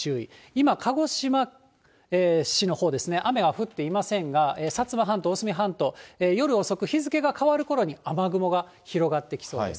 今、鹿児島市のほうですね、雨は降っていませんが、薩摩半島、大隅半島、夜遅く、日付が変わるころに雨雲が広がってきそうです。